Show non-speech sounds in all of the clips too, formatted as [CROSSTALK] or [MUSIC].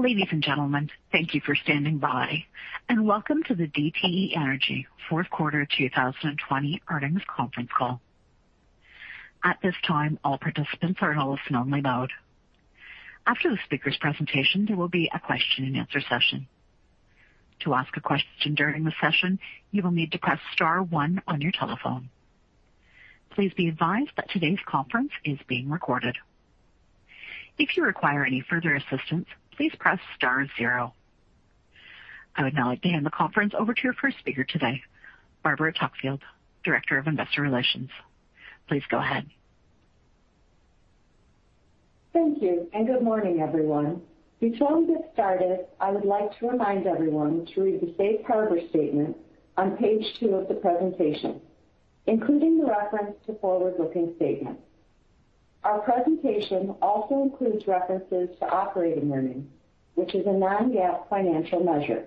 Ladies and gentlemen, thank you for standing by, and welcome to the DTE Energy fourth quarter 2020 earnings conference call.At this time, all participants are in a listen-only mode. After the speaker's presentation, there will be a qestion-and-answer session. To ask a question during the session, you will need to press star one on your telephone. Please be advised that today's conference call is being recorded. If you recquire any further assistance, please press star zero. I would now like to hand the conference over to your first speaker today, Barbara Tuckfield, Director of Investor Relations. Please go ahead. Thank you, good morning, everyone. Before we get started, I would like to remind everyone to read the safe harbor statement on page two of the presentation, including the reference to forward-looking statements. Our presentation also includes references to operating earnings, which is a non-GAAP financial measure.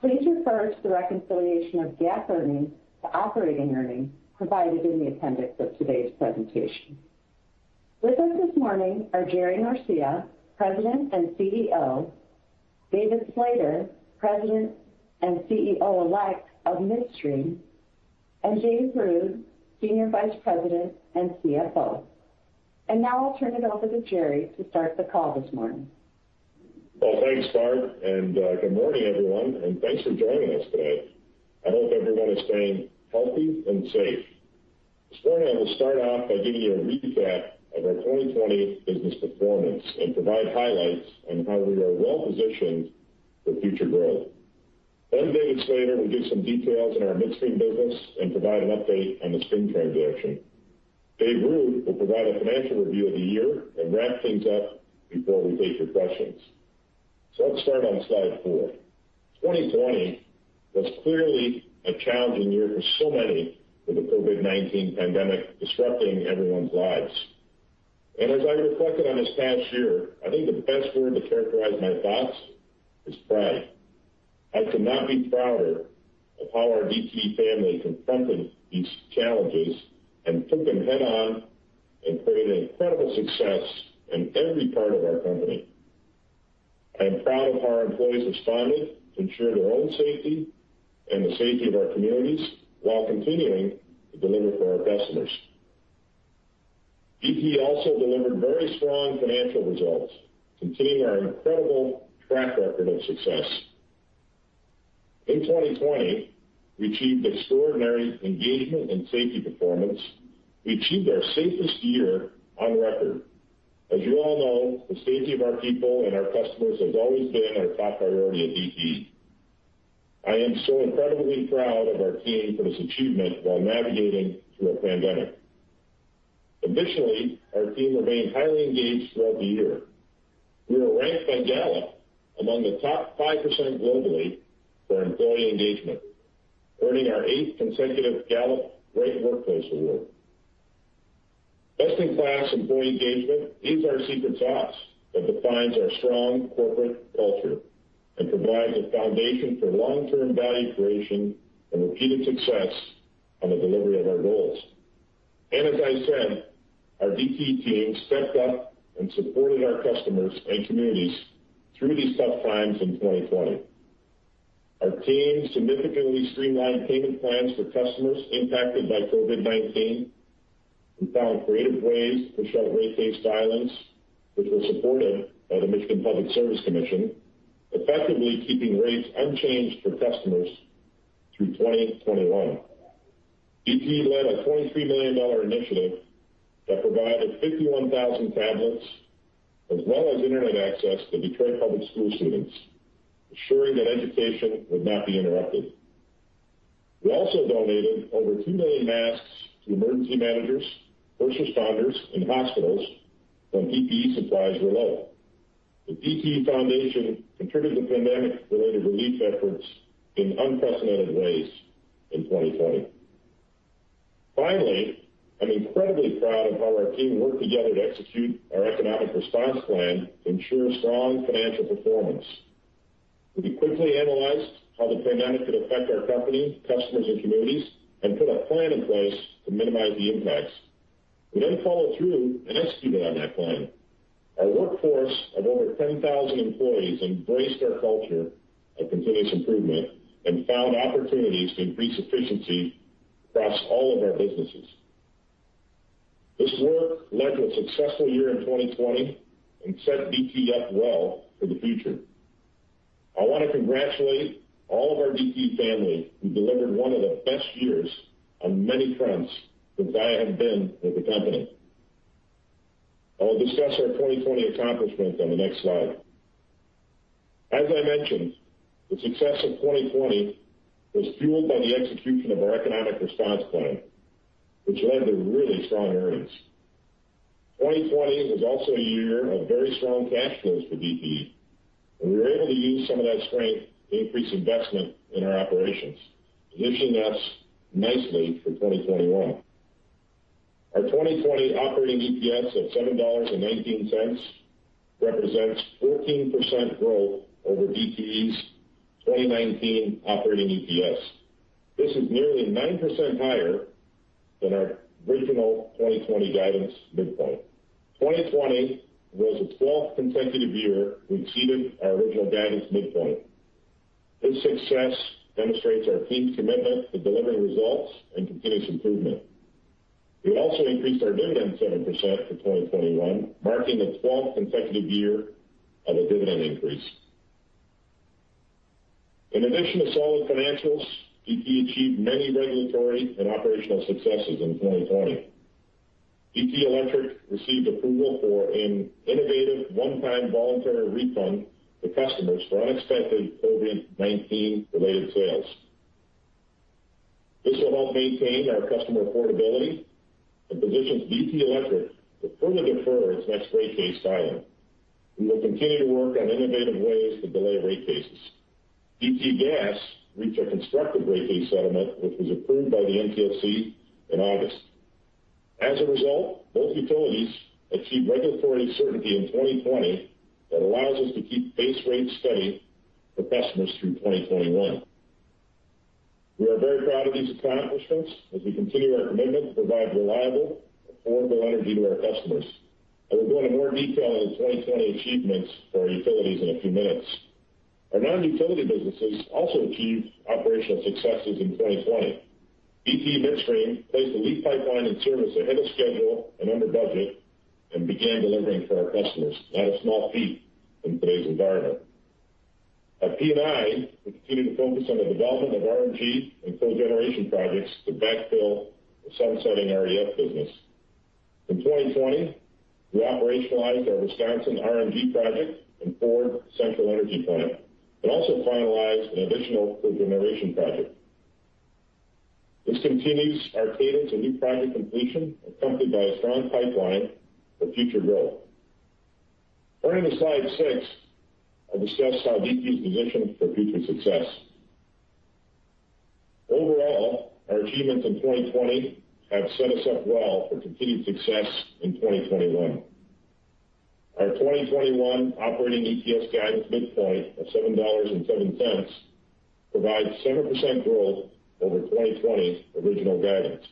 Please refer to the reconciliation of GAAP earnings to operating earnings provided in the appendix of today's presentation. With us this morning are Jerry Norcia, President and Chief Executive Officer, David Slater, President and CEO-Elect of Midstream, and Dave Ruud, Senior Vice President and Chief Financial Officer. Now I'll turn it over to Jerry to start the call this morning. Well, thanks, Barb, and good morning, everyone, and thanks for joining us today. I hope everyone is staying healthy and safe. This morning I will start off by giving you a recap of our 2020 business performance and provide highlights on how we are well-positioned for future growth. David Slater will give some details on our Midstream business and provide an update on the Midstream transaction. Dave Ruud will provide a financial review of the year and wrap things up before we take your questions. Let's start on slide four. 2020 was clearly a challenging year for so many with the COVID-19 pandemic disrupting everyone's lives. As I reflected on this past year, I think the best word to characterize my thoughts is pride. I could not be prouder of how our DTE family confronted these challenges and took them head-on and created incredible success in every part of our company. I am proud of how our employees responded to ensure their own safety and the safety of our communities while continuing to deliver for our customers. DTE also delivered very strong financial results, continuing our incredible track record of success. In 2020, we achieved extraordinary engagement and safety performance. We achieved our safest year on record. As you all know, the safety of our people and our customers has always been our top priority at DTE. I am so incredibly proud of our team for this achievement while navigating through a pandemic. Additionally, our team remained highly engaged throughout the year. We were ranked by Gallup among the top 5% globally for employee engagement, earning our eighth consecutive Gallup Great Workplace Award. Best-in-class employee engagement is our secret sauce that defines our strong corporate culture and provides a foundation for long-term value creation and repeated success on the delivery of our goals. As I said, our DTE team stepped up and supported our customers and communities through these tough times in 2020. Our team significantly streamlined payment plans for customers impacted by COVID-19 and found creative ways to shut rate-based violence, which was supported by the Michigan Public Service Commission, effectively keeping rates unchanged for customers through 2021. DTE led a $23 million initiative that provided 51,000 tablets as well as Internet access to Detroit Public School students, ensuring that education would not be interrupted. We also donated over 2 million masks to emergency managers, first responders, and hospitals when PPE supplies were low. The DTE Foundation contributed to pandemic-related relief efforts in unprecedented ways in 2020. Finally, I'm incredibly proud of how our team worked together to execute our economic response plan to ensure strong financial performance. We quickly analyzed how the pandemic could affect our company, customers, and communities, and put a plan in place to minimize the impacts. We then followed through and executed on that plan. Our workforce of over 10,000 employees embraced our culture of continuous improvement and found opportunities to increase efficiency across all of our businesses. This work led to a successful year in 2020 and set DTE up well for the future. I want to congratulate all of our DTE family who delivered one of the best years on many fronts since I have been with the company. I will discuss our 2020 accomplishments on the next slide. As I mentioned, the success of 2020 was fueled by the execution of our economic response plan, which led to really strong earnings. 2020 was also a year of very strong cash flows for DTE, and we were able to use some of that strength to increase investment in our operations, positioning us nicely for 2021. Our 2020 operating EPS of $7.19 represents 14% growth over DTE's 2019 operating EPS. This is nearly 9% higher than our original 2020 guidance midpoint. 2020 was the 12th consecutive year we exceeded our original guidance midpoint. This success demonstrates our deep commitment to delivering results and continuous improvement. We also increased our dividend 7% for 2021, marking the 12th consecutive year of a dividend increase. In addition to solid financials, DTE achieved many regulatory and operational successes in 2020. DTE Electric received approval for an innovative one-time voluntary refund to customers for unexpected COVID-19-related sales. This will help maintain our customer affordability and positions DTE Electric to further defer its next rate case filing. We will continue to work on innovative ways to delay rate cases. DTE Gas reached a constructive rate case settlement, which was approved by the MPSC in August. As a result, both utilities achieved regulatory certainty in 2020 that allows us to keep base rates steady for customers through 2021. We are very proud of these accomplishments as we continue our commitment to provide reliable, affordable energy to our customers. I will go into more detail on the 2020 achievements for our utilities in a few minutes. Our non-utility businesses also achieved operational successes in 2020. DTE Midstream placed the LEAP pipeline in service ahead of schedule and under budget and began delivering to our customers. Not a small feat in today's environment. At P&I, we continued to focus on the development of RNG and cogeneration projects to backfill the sunsetting REF business. In 2020, we operationalized our Wisconsin RNG project and Dearborn Central Energy Plant, and also finalized an additional cogeneration project. This continues our cadence of new project completion, accompanied by a strong pipeline for future growth. Turning to slide six, I'll discuss how DTE is positioned for future success. Overall, our achievements in 2020 have set us up well for continued success in 2021. Our 2021 operating EPS guidance midpoint of $7.07 provides 7% growth over 2020 original guidance.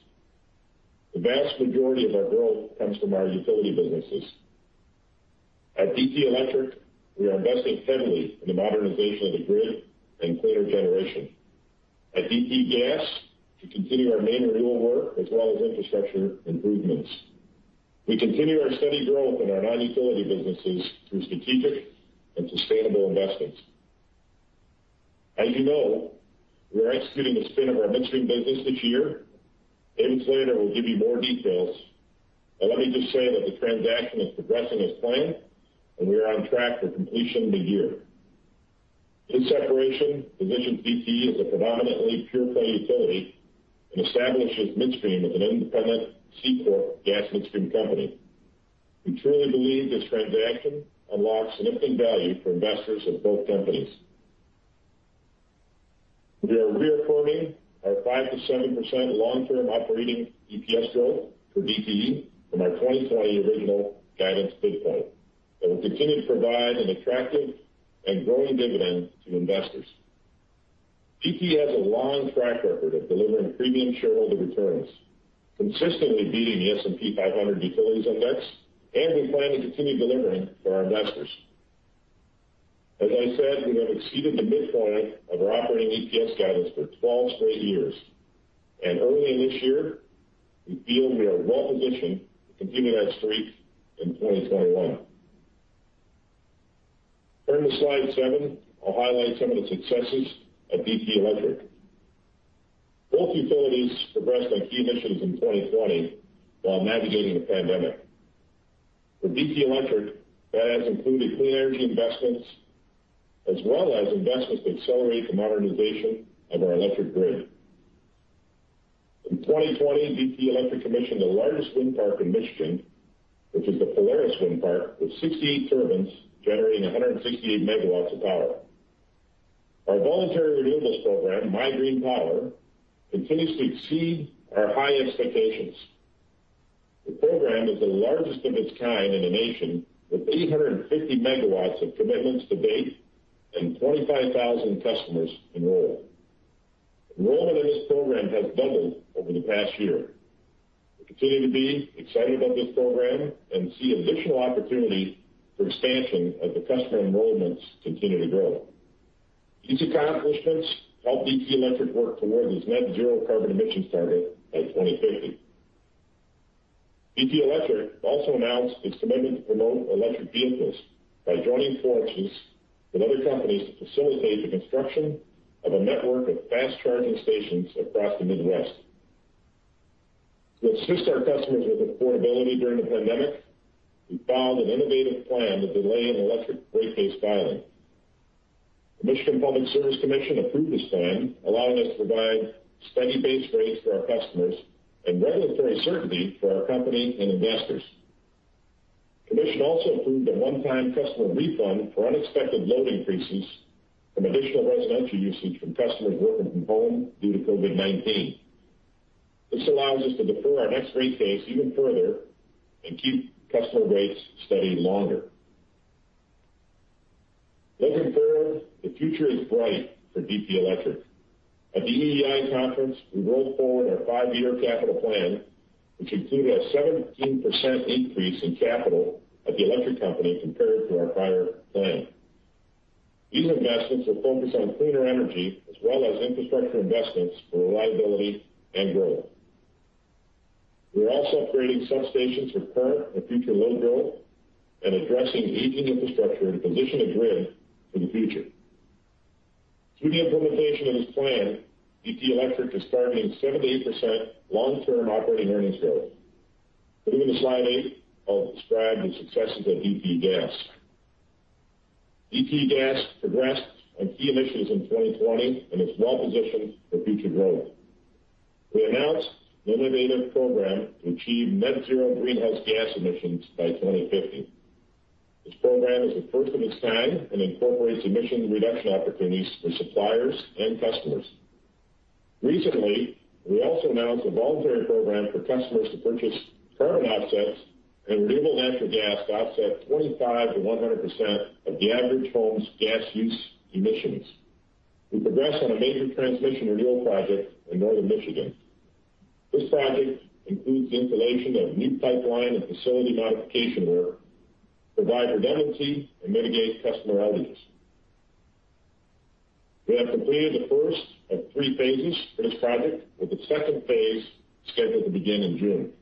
The vast majority of our growth comes from our utility businesses. At DTE Electric, we are investing heavily in the modernization of the grid and cleaner generation. At DTE Gas, we continue our main renewal work as well as infrastructure improvements. We continue our steady growth in our non-utility businesses through strategic and sustainable investments. As you know, we are executing the spin of our Midstream business this year. David Slater will give you more details, but let me just say that the transaction is progressing as planned, and we are on track for completion of the year. This separation positions DTE as a predominantly pure-play utility and establishes Midstream as an independent C corp gas midstream company. We truly believe this transaction unlocks significant value for investors of both companies. We are reaffirming our 5%-7% long-term operating EPS growth for DTE from our 2020 original guidance midpoint, will continue to provide an attractive and growing dividend to investors. DTE has a long track record of delivering premium shareholder returns, consistently beating the S&P 500 Utilities Index, we plan to continue delivering for our investors. As I said, we have exceeded the midpoint of our operating EPS guidance for 12 straight years, early in this year, we feel we are well-positioned to continue that streak in 2021. Turning to slide seven, I'll highlight some of the successes at DTE Electric. Both utilities progressed on key initiatives in 2020 while navigating the pandemic. For DTE Electric, that has included clean energy investments as well as investments to accelerate the modernization of our electric grid. In 2020, DTE Electric commissioned the largest wind park in Michigan, which is the Polaris Wind Park, with 68 turbines generating 168 MW of power. Our voluntary renewables program, MIGreenPower, continues to exceed our high expectations. The program is the largest of its kind in the nation, with 850 MW of commitments to date and 25,000 customers enrolled. Enrollment in this program has doubled over the past year. We continue to be excited about this program and see additional opportunity for expansion as the customer enrollments continue to grow. These accomplishments help DTE Electric work toward its net zero carbon emissions target by 2050. DTE Electric also announced its commitment to promote electric vehicles by joining forces with other companies to facilitate the construction of a network of fast-charging stations across the Midwest. To assist our customers with affordability during the pandemic, we filed an innovative plan to delay an electric rate case filing. The Michigan Public Service Commission approved this plan, allowing us to provide steady base rates for our customers and regulatory certainty for our company and investors. The commission also approved a one-time customer refund for unexpected load increases from additional residential usage from customers working from home due to COVID-19. This allows us to defer our next rate case even further and keep customer rates steady longer. Looking forward, the future is bright for DTE Electric. At the EEI conference, we rolled forward our five-year capital plan, which included a 17% increase in capital at the electric company compared to our prior plan. These investments are focused on cleaner energy as well as infrastructure investments for reliability and growth. We are also upgrading substations for current and future load growth and addressing aging infrastructure to position the grid for the future. Through the implementation of this plan, DTE Electric is targeting 7%-8% long-term operating earnings growth. Moving to slide eight, I'll describe the successes at DTE Gas. DTE Gas progressed on key initiatives in 2020 and is well-positioned for future growth. We announced an innovative program to achieve net zero greenhouse gas emissions by 2050. This program is the first of its kind and incorporates emission reduction opportunities for suppliers and customers. Recently, we also announced a voluntary program for customers to purchase carbon offsets and renewable natural gas to offset 25%-100% of the average home's gas use emissions. We progressed on a major transmission renewal project in Northern Michigan. This project includes the installation of a new pipeline and facility modification work to provide redundancy and mitigate customer outages. We have completed the first of three phases for this project, with the second phase scheduled to begin in June.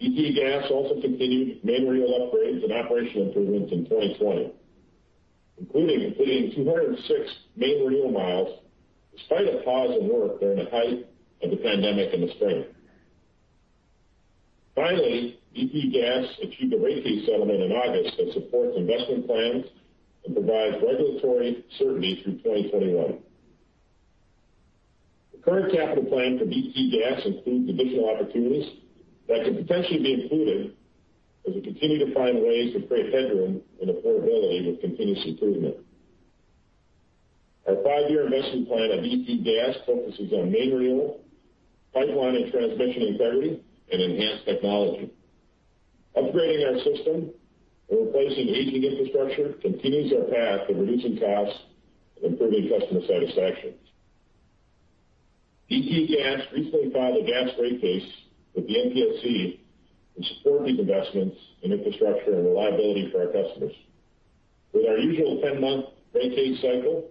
DTE Gas also continued main renewal upgrades and operational improvements in 2020, including completing 206 main renewal miles, despite a pause in work during the height of the pandemic in the spring. Finally, DTE Gas achieved a rate case settlement in August that supports investment plans and provides regulatory certainty through 2021. The current capital plan for DTE Gas includes additional opportunities that could potentially be included as we continue to find ways to create headroom and affordability with continuous improvement. Our five-year investment plan at DTE Gas focuses on main renewal, pipeline and transmission integrity, and enhanced technology. Upgrading our system and replacing aging infrastructure continues our path of reducing costs and improving customer satisfaction. DTE Gas recently filed a gas rate case with the MPSC to support these investments in infrastructure and reliability for our customers. With our usual 10-month rate case cycle,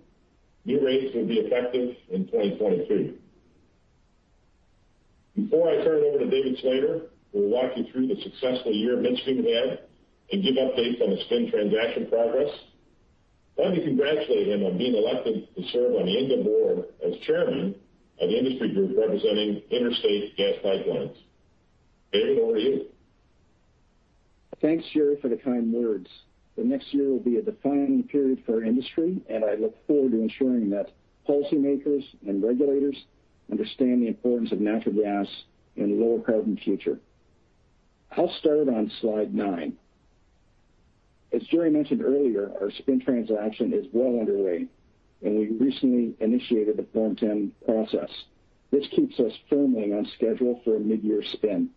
new rates will be effective in 2023. Before I turn it over to David Slater, who will walk you through the successful year Midstream had and give updates on the spin transaction progress, let me congratulate him on being elected to serve on the INGAA Board as Chairman of the industry group representing interstate gas pipelines. David, over to you. Thanks, Jerry, for the kind words. The next year will be a defining period for our industry. I look forward to ensuring that policymakers and regulators understand the importance of natural gas in a lower-carbon future. I'll start on slide nine. As Jerry mentioned earlier, our spin transaction is well underway. We recently initiated the Form 10 process. This keeps us firmly on schedule for a mid-year spin.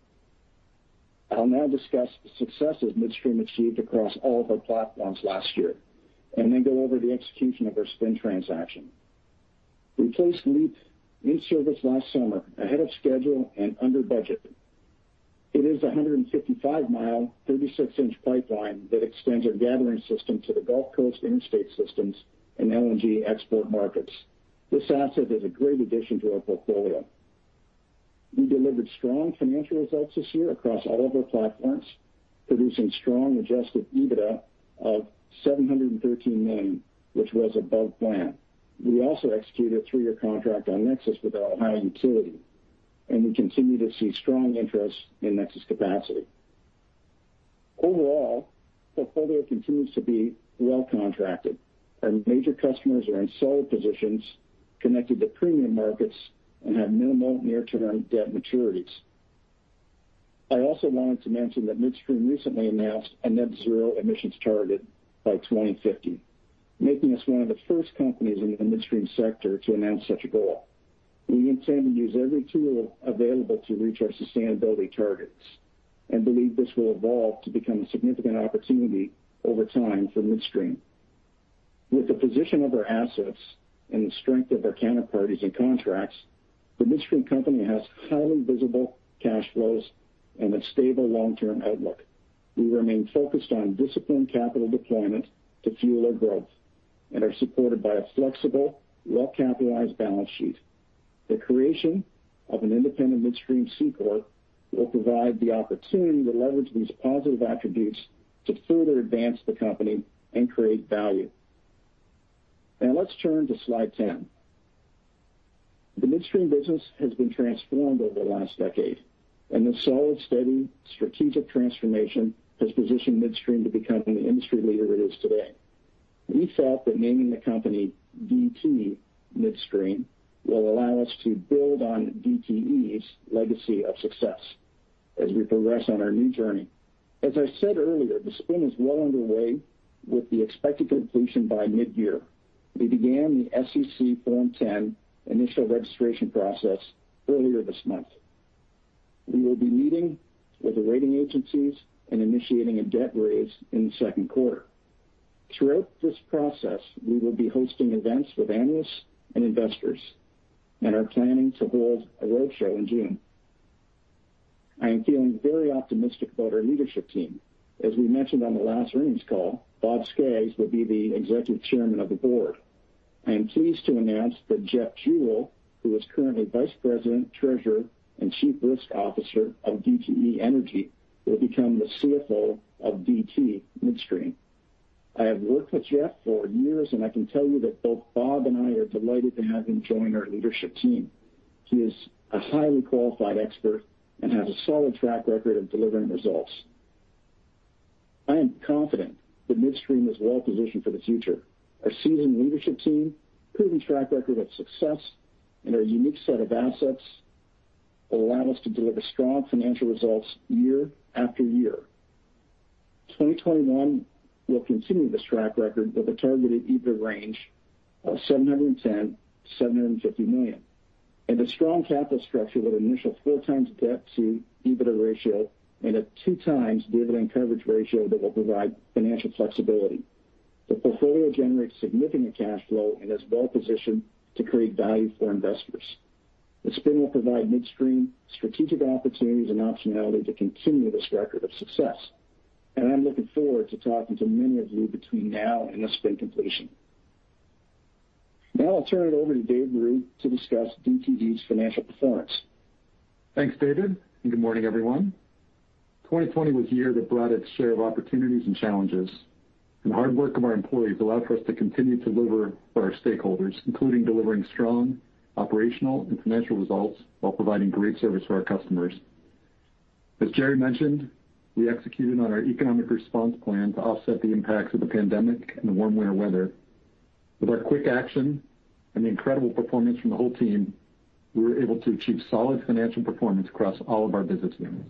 I'll now discuss the successes Midstream achieved across all of our platforms last year. Then go over the execution of our spin transaction. We placed LEAP in service last summer ahead of schedule and under budget. It is a 155 mi, 36 in pipeline that extends our gathering system to the Gulf Coast interstate systems and LNG export markets. This asset is a great addition to our portfolio. We delivered strong financial results this year across all of our platforms, producing strong adjusted EBITDA of $713 million, which was above plan. We also executed a three-year contract on NEXUS with our Ohio utility, and we continue to see strong interest in NEXUS capacity. Overall, the portfolio continues to be well contracted. Our major customers are in solid positions, connected to premium markets, and have minimal near-term debt maturities. I also wanted to mention that Midstream recently announced a net-zero emissions target by 2050, making us one of the first companies in the midstream sector to announce such a goal. We intend to use every tool available to reach our sustainability targets and believe this will evolve to become a significant opportunity over time for Midstream. With the position of our assets and the strength of our counterparties and contracts, the Midstream company has highly visible cash flows and a stable long-term outlook. We remain focused on disciplined capital deployment to fuel our growth and are supported by a flexible, well-capitalized balance sheet. The creation of an independent Midstream C corp will provide the opportunity to leverage these positive attributes to further advance the company and create value. Let's turn to slide 10. The Midstream business has been transformed over the last decade, the solid, steady, strategic transformation has positioned Midstream to become the industry leader it is today. We felt that naming the company DTE Midstream will allow us to build on DTE's legacy of success as we progress on our new journey. As I said earlier, the spin is well underway with the expected completion by mid-year. We began the SEC Form 10 initial registration process earlier this month. We will be meeting with the rating agencies and initiating a debt raise in the second quarter. Throughout this process, we will be hosting events with analysts and investors and are planning to hold a roadshow in June. I am feeling very optimistic about our leadership team. As we mentioned on the last earnings call, Bob Skaggs will be the Executive Chairman of the Board. I am pleased to announce that Jeff Jewell, who is currently Vice President, Treasurer, and Chief Risk Officer of DTE Energy, will become the CFO of DTE Midstream. I have worked with Jeff for years, and I can tell you that both Bob and I are delighted to have him join our leadership team. He is a highly qualified expert and has a solid track record of delivering results. I am confident that Midstream is well-positioned for the future. Our seasoned leadership team, proven track record of success, and our unique set of assets allow us to deliver strong financial results year after year. 2021 will continue this track record with a targeted EBITDA range of $710 million-$750 million, and a strong capital structure with an initial 4x debt to EBITDA ratio and a 2x dividend coverage ratio that will provide financial flexibility. The portfolio generates significant cash flow and is well-positioned to create value for investors. [INAUDIBLE] will provide Midstream strategic opportunities and optionality to continue this record of sucess. And I'm looking forward to talking to many of you between now and the spin completion. Now I'll turn it over to Dave Ruud to discuss DTE's financial performance. Thanks, David. Good morning, everyone. 2020 was a year that brought its share of opportunities and challenges. The hard work of our employees allowed for us to continue to deliver for our stakeholders, including delivering strong operational and financial results while providing great service for our customers. As Jerry mentioned, we executed on our economic response plan to offset the impacts of the pandemic and the warm winter weather. With our quick action and the incredible performance from the whole team, we were able to achieve solid financial performance across all of our business units.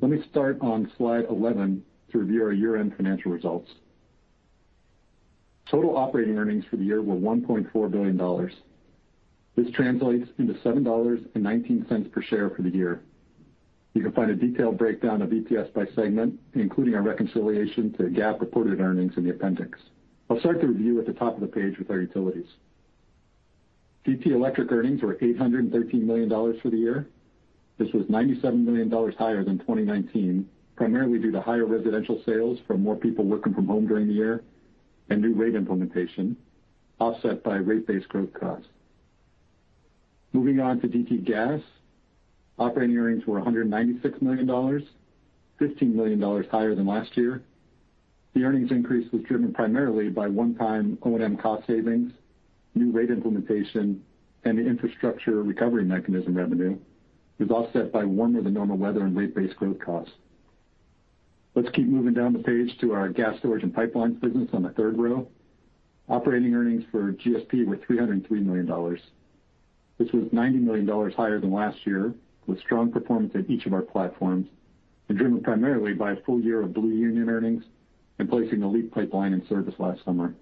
Let me start on slide 11 to review our year-end financial results. Total operating earnings for the year were $1.4 billion. This translates into $7.19 per share for the year. You can find a detailed breakdown of EPS by segment, including our reconciliation to GAAP reported earnings in the appendix. I'll start the review at the top of the page with our utilities. DTE Electric earnings were $813 million for the year. This was $97 million higher than 2019, primarily due to higher residential sales from more people working from home during the year and new rate implementation, offset by rate-based growth costs. Moving on to DTE Gas, operating earnings were $196 million, $15 million higher than last year. The earnings increase was driven primarily by one-time O&M cost savings, new rate implementation, and the infrastructure recovery mechanism revenue. It was offset by warmer-than-normal weather and rate-based growth costs. Let's keep moving down the page to our gas storage and pipeline business on the third row. Operating earnings for GSP were $303 million. This was $90 million higher than last year, with strong performance in each of our platforms and driven primarily by a full year of Blue Union earnings and placing the LEAP pipeline in service last summer.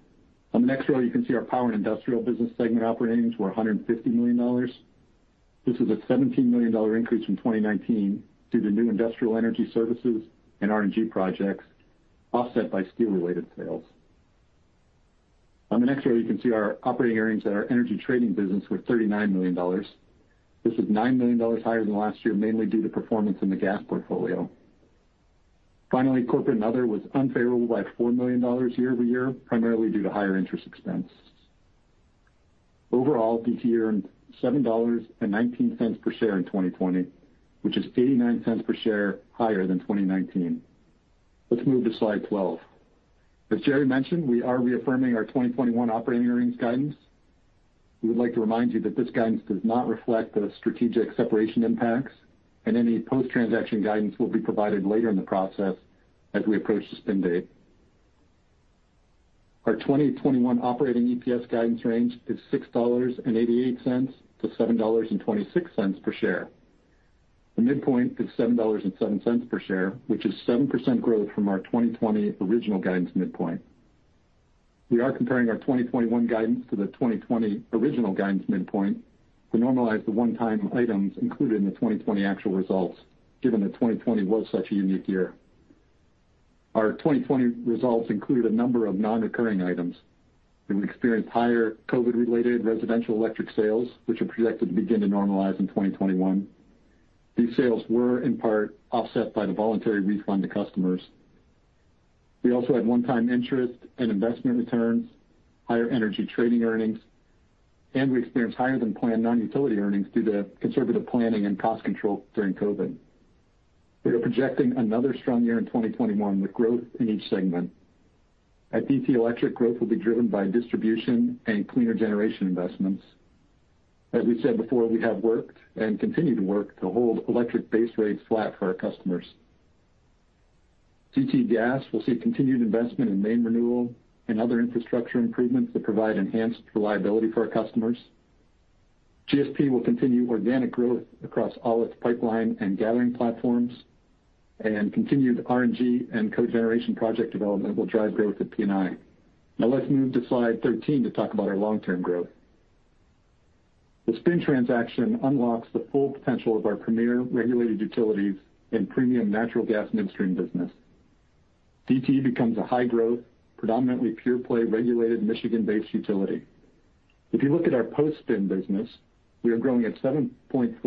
On the next row, you can see our Power and Industrial business segment operating earnings were $150 million. This is a $17 million increase from 2019 due to new industrial energy services and RNG projects offset by steel-related sales. On the next row, you can see our operating earnings at our energy trading business were $39 million. This was $9 million higher than last year, mainly due to performance in the gas portfolio. Finally, Corporate and Other was unfavorable by $4 million year-over-year, primarily due to higher interest expense. Overall, DTE earned $7.19 per share in 2020, which is $0.89 per share higher than 2019. Let's move to slide 12. As Jerry mentioned, we are reaffirming our 2021 operating earnings guidance. We would like to remind you that this guidance does not reflect the strategic separation impacts, and any post-transaction guidance will be provided later in the process as we approach the spin date. Our 2021 operating EPS guidance range is $6.88-$7.26 per share. The midpoint is $7.07 per share, which is 7% growth from our 2020 original guidance midpoint. We are comparing our 2021 guidance to the 2020 original guidance midpoint to normalize the one-time items included in the 2020 actual results, given that 2020 was such a unique year. Our 2020 results include a number of non-recurring items. We experienced higher COVID-related residential electric sales, which are projected to begin to normalize in 2021. These sales were in part offset by the voluntary refund to customers. We also had one-time interest and investment returns, higher energy trading earnings, and we experienced higher-than-planned non-utility earnings due to conservative planning and cost control during COVID. We are projecting another strong year in 2021, with growth in each segment. At DTE Electric, growth will be driven by distribution and cleaner generation investments. As we said before, we have worked and continue to work to hold electric base rates flat for our customers. DTE Gas will see continued investment in main renewal and other infrastructure improvements that provide enhanced reliability for our customers. GSP will continue organic growth across all its pipeline and gathering platforms, and continued RNG and cogeneration project development will drive growth at P&I. Now let's move to slide 13 to talk about our long-term growth. The spin transaction unlocks the full potential of our premier regulated utilities and premium natural gas Midstream business. DTE becomes a high-growth, predominantly pure-play regulated Michigan-based utility. If you look at our post-spin business, we are growing at 7.4%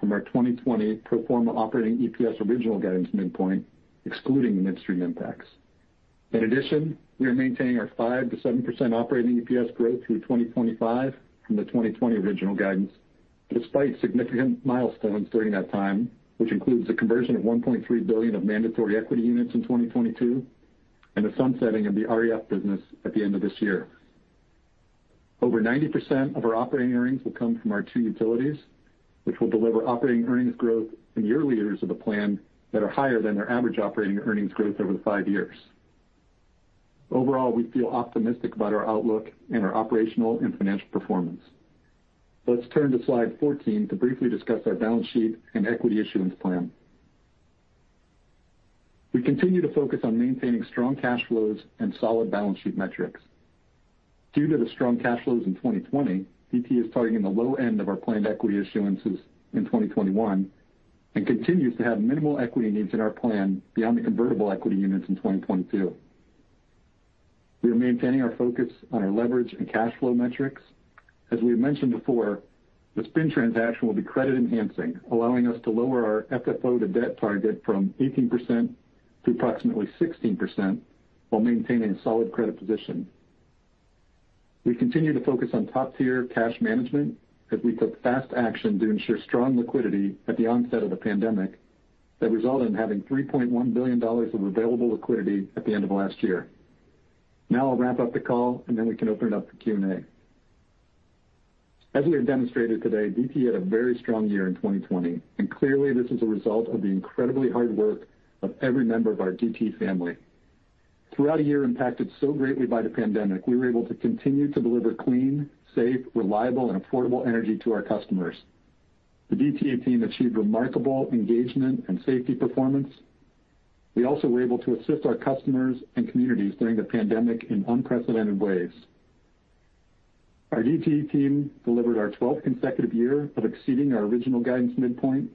from our 2020 pro forma operating EPS original guidance midpoint, excluding the Midstream impacts. In addition, we are maintaining our 5%-7% operating EPS growth through 2025 from the 2020 original guidance, despite significant milestones during that time, which includes the conversion of $1.3 billion of mandatory equity units in 2022, and the sunsetting of the REF business at the end of this year. Over 90% of our operating earnings will come from our two utilities, which will deliver operating earnings growth in years later of the plan that are higher than their average operating earnings growth over the five years. Overall, we feel optimistic about our outlook and our operational and financial performance. Let's turn to slide 14 to briefly discuss our balance sheet and equity issuance plan. We continue to focus on maintaining strong cash flows and solid balance sheet metrics. Due to the strong cash flows in 2020, DTE is targeting the low end of our planned equity issuances in 2021 and continues to have minimal equity needs in our plan beyond the convertible equity units in 2022. We are maintaining our focus on our leverage and cash flow metrics. As we mentioned before, the spin transaction will be credit enhancing, allowing us to lower our FFO to debt target from 18% to approximately 16% while maintaining a solid credit position. We continue to focus on top-tier cash management, as we took fast action to ensure strong liquidity at the onset of the pandemic that resulted in having $3.1 billion of available liquidity at the end of last year. Now, I'll wrap up the call, and then we can open it up to Q&A. As we have demonstrated today, DTE had a very strong year in 2020, and clearly this is a result of the incredibly hard work of every member of our DTE family. Throughout a year impacted so greatly by the pandemic, we were able to continue to deliver clean, safe, reliable, and affordable energy to our customers. The DTE team achieved remarkable engagement and safety performance. We also were able to assist our customers and communities during the pandemic in unprecedented ways. Our DTE team delivered our 12th consecutive year of exceeding our original guidance midpoint,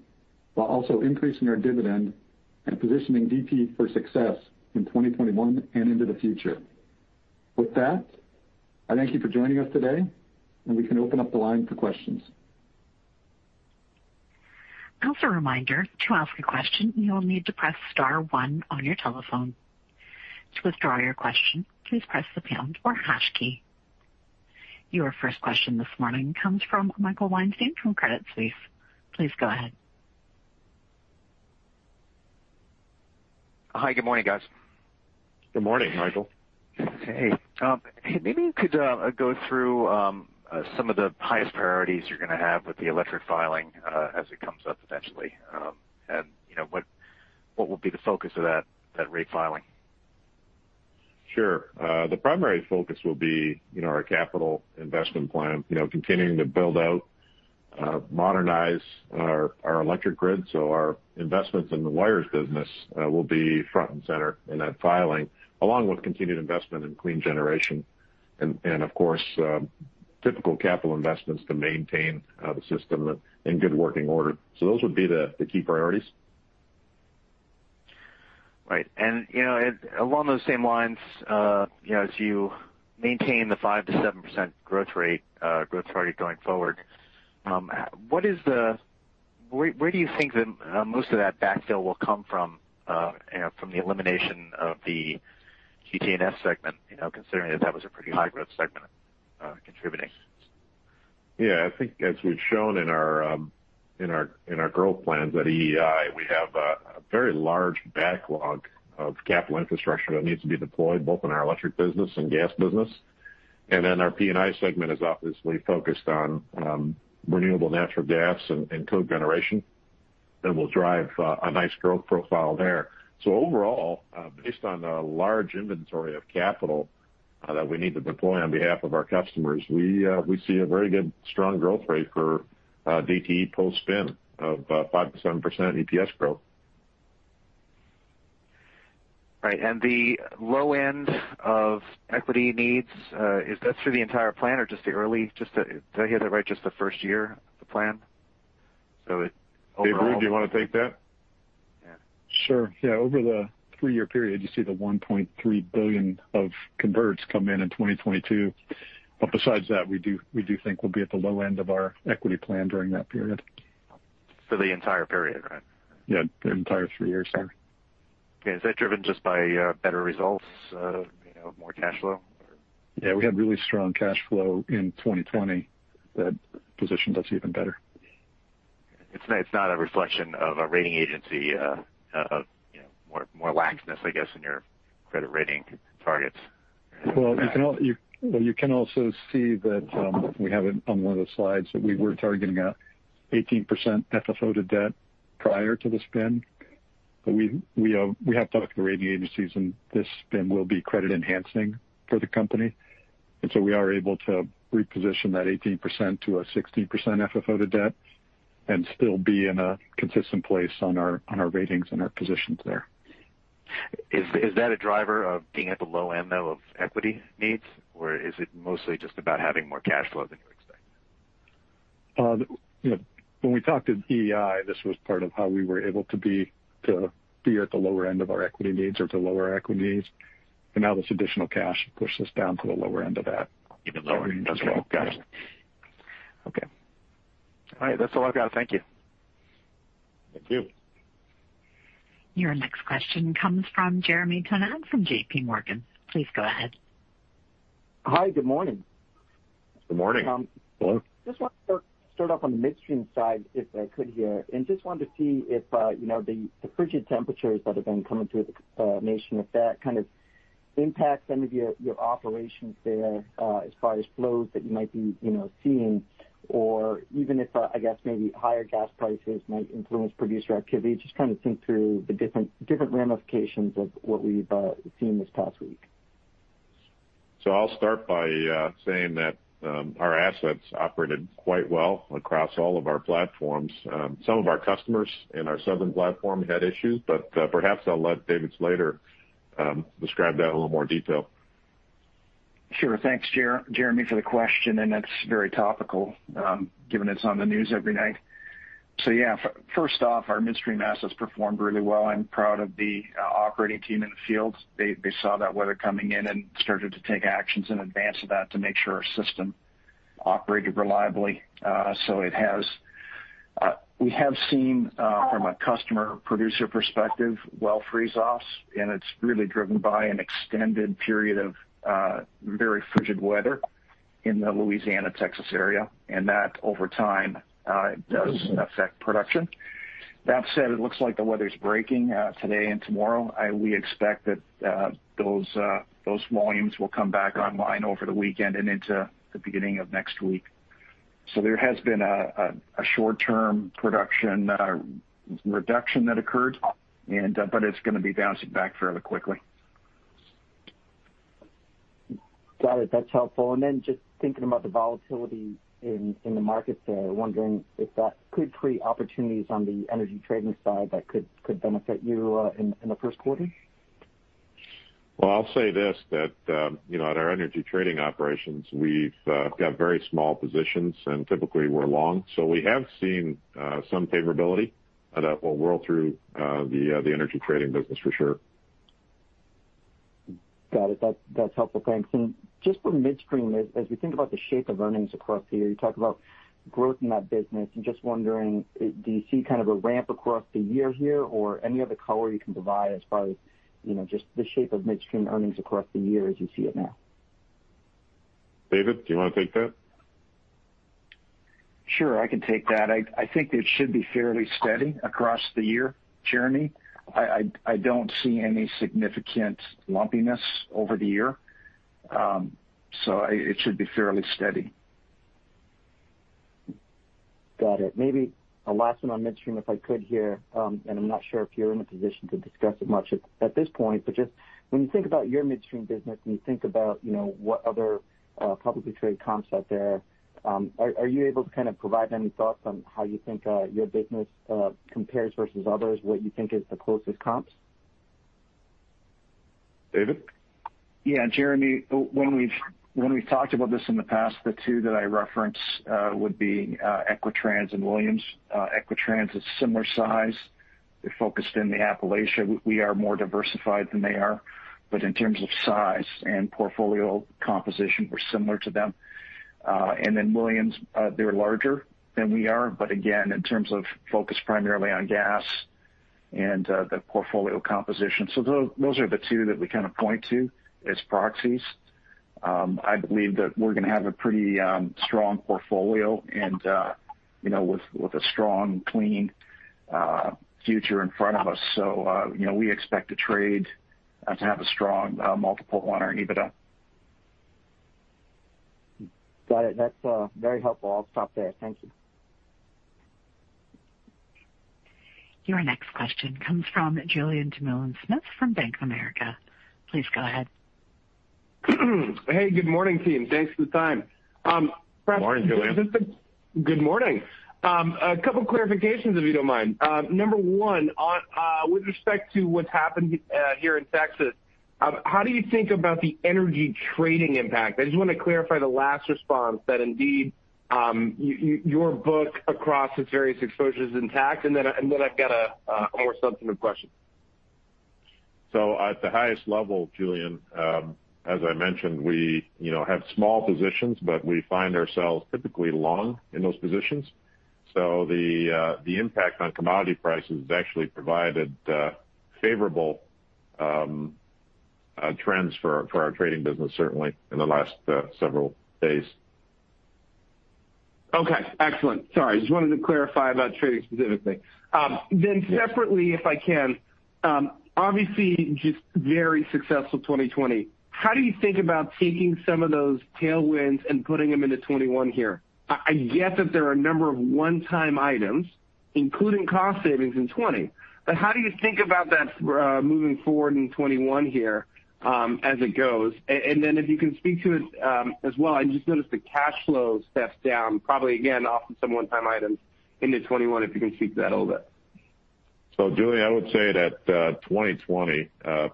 while also increasing our dividend and positioning DTE for success in 2021 and into the future. With that, I thank you for joining us today, we can open up the line for questions. As a reminder, to ask a question, you will need to press star one on your telephone. To withdraw your question, please press the pound or hash key. Your first question this morning comes from Michael Weinstein from Credit Suisse. Please go ahead. Hi, good morning, guys. Good morning, Michael. Hey. Maybe you could go through some of the highest priorities you're going to have with the electric filing as it comes up eventually. What will be the focus of that rate filing? Sure. The primary focus will be our capital investment plan, continuing to build out, modernize our electric grid. Our investments in the wires business will be front and center in that filing, along with continued investment in clean generation and, of course, typical capital investments to maintain the system in good working order. Those would be the key priorities. Right. Along those same lines, as you maintain the 5%-7% growth target going forward, where do you think that most of that backfill will come from the elimination of the GSP segment, considering that that was a pretty high-growth segment contributing? Yeah, I think as we've shown in our growth plans at EEI, we have a very large backlog of capital infrastructure that needs to be deployed, both in our Electric business and Gas business. Our P&I segment is obviously focused on renewable natural gas and co-generation that will drive a nice growth profile there. Overall, based on the large inventory of capital that we need to deploy on behalf of our customers, we see a very good, strong growth rate for DTE post-spin of 5%-7% EPS growth. Right. The low end of equity needs, is that through the entire plan or just the first year of the plan? Dave Ruud, do you want to take that? Sure. Yeah, over the three-year period, you see the $1.3 billion of converts come in in 2022. Besides that, we do think we'll be at the low end of our equity plan during that period. For the entire period, right? Yeah, the entire three years there. Okay. Is that driven just by better results, more cash flow, or? Yeah, we had really strong cash flow in 2020 that positioned us even better. It's not a reflection of a rating agency, of more laxness, I guess, in your credit rating targets? You can also see that we have it on one of the slides, that we were targeting a 18% FFO to debt prior to the spin. We have talked to the rating agencies, and this spin will be credit enhancing for the company. We are able to reposition that 18%-16% FFO to debt and still be in a consistent place on our ratings and our positions there. Is that a driver of being at the low end, though, of equity needs? Is it mostly just about having more cash flow than you expect? When we talked to EEI, this was part of how we were able to be at the lower end of our equity needs or to lower our equity needs. Now this additional cash should push us down to the lower end of that. Even lower. Got it. Okay. All right. That's all I've got. Thank you. Thank you. Your next question comes from Jeremy Tonet from JPMorgan. Please go ahead. Hi. Good morning. Good morning. Hello. Just wanted to start off on the Midstream side, if I could here, and just wanted to see if the frigid temperatures that have been coming through the nation, if that kind of impacts any of your operations there as far as flows that you might be seeing or even if, I guess maybe higher gas prices might influence producer activity. Just trying to think through the different ramifications of what we've seen this past week. I'll start by saying that our assets operated quite well across all of our platforms. Some of our customers in our southern platform had issues, but perhaps I'll let David Slater describe that in a little more detail. Sure. Thanks, Jeremy, for the question. That's very topical, given it's on the news every night. Yeah, first off, our Midstream assets performed really well. I'm proud of the operating team in the field. They saw that weather coming in and started to take actions in advance of that to make sure our system operated reliably. It has. We have seen, from a customer-producer perspective, well freeze-offs. It's really driven by an extended period of very frigid weather in the Louisiana-Texas area. That over time does affect production. That said, it looks like the weather's breaking today and tomorrow. We expect that those volumes will come back online over the weekend and into the beginning of next week. There has been a short-term production reduction that occurred. It's going to be bouncing back fairly quickly. Got it. That's helpful. Just thinking about the volatility in the markets there, wondering if that could create opportunities on the energy trading side that could benefit you in the first quarter. Well, I'll say this, that at our energy trading operations, we've got very small positions, and typically we're long. We have seen some favorability that will roll through the energy trading business for sure. Got it. That's helpful. Thanks. Just for Midstream, as we think about the shape of earnings across here, you talk about growth in that business. I'm just wondering, do you see kind of a ramp across the year here or any other color you can provide as far as just the shape of Midstream earnings across the year as you see it now? David, do you want to take that? Sure, I can take that. I think it should be fairly steady across the year, Jeremy. I don't see any significant lumpiness over the year. It should be fairly steady. Got it. I'm not sure if you're in a position to discuss it much at this point, but just when you think about your Midstream business and you think about what other publicly traded comps out there, are you able to kind of provide any thoughts on how you think your business compares versus others, what you think is the closest comps? David? Yeah. Jeremy, when we've talked about this in the past, the two that I reference would be Equitrans and Williams. Equitrans is similar size. They're focused in the Appalachia. We are more diversified than they are, but in terms of size and portfolio composition, we're similar to them. Williams, they're larger than we are, but again, in terms of focus primarily on gas and the portfolio composition. Those are the two that we kind of point to as proxies. I believe that we're going to have a pretty strong portfolio and with a strong, clean future in front of us, so we expect to trade to have a strong multiple on our EBITDA. Got it. That's very helpful. I'll stop there. Thank you. Your next question comes from Julien Dumoulin-Smith from Bank of America. Please go ahead. Hey, good morning, team. Thanks for the time. Morning, Julien. Good morning. A couple clarifications, if you don't mind. Number one, with respect to what's happened here in Texas, how do you think about the energy trading impact? I just want to clarify the last response that indeed, your book across its various exposures is intact, and then I've got a more substantive question. At the highest level, Julien, as I mentioned, we have small positions, but we find ourselves typically long in those positions. The impact on commodity prices has actually provided favorable trends for our trading business, certainly in the last several days. Okay. Excellent. Sorry. Just wanted to clarify about trading specifically. Separately, if I can, obviously just very successful 2020. How do you think about taking some of those tailwinds and putting them into 2021 here? I get that there are a number of one-time items, including cost savings in 2020. How do you think about that moving forward in 2021 here as it goes? If you can speak to it as well, I just noticed the cash flow stepped down probably again off of some one-time items into 2021, if you can speak to that a little bit. Julien, I would say that 2020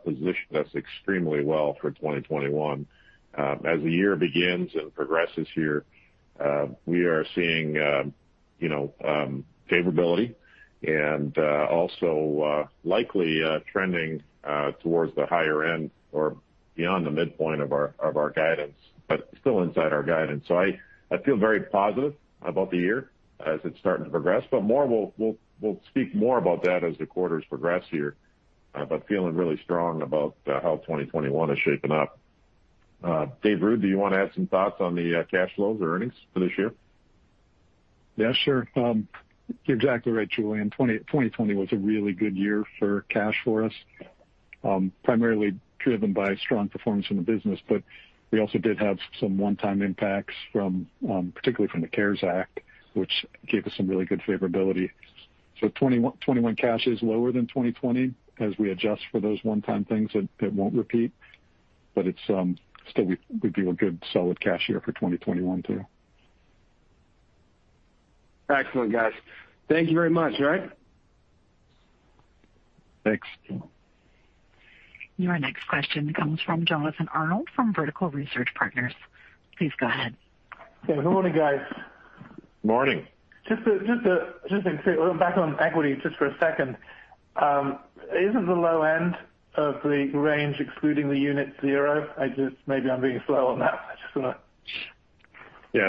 positioned us extremely well for 2021. As the year begins and progresses here, we are seeing favorability and also likely trending towards the higher end or beyond the midpoint of our guidance, but still inside our guidance. I feel very positive about the year as it's starting to progress, but we'll speak more about that as the quarters progress here. Feeling really strong about how 2021 is shaping up. Dave Ruud, do you want to add some thoughts on the cash flows or earnings for this year? Yeah, sure. You're exactly right, Julien. 2020 was a really good year for cash for us. Primarily driven by strong performance in the business, but we also did have some one-time impacts, particularly from the CARES Act, which gave us some really good favorability. 2021 cash is lower than 2020 as we adjust for those one-time things that won't repeat, but it's still would be a good solid cash year for 2021 too. Excellent, guys. Thank you very much. All right. Thanks. Your next question comes from Jonathan Arnold from Vertical Research Partners. Please go ahead. Good morning, guys. Morning. Back on equity, just for a second. Isn't the low end of the range excluding the unit zero? Maybe I'm being slow on that one.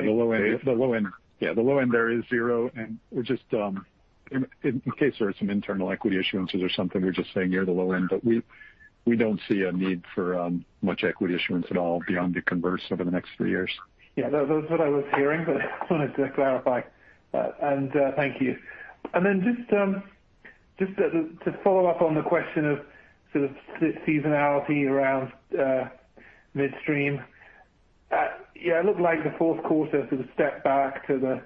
The low end there is zero, and in case there are some internal equity issuances or something, we're just saying you're the low end, but we don't see a need for much equity issuance at all beyond the converts over the next three years. That was what I was hearing, but wanted to clarify. Thank you. Just to follow up on the question of sort of seasonality around Midstream. It looked like the fourth quarter sort of stepped back to the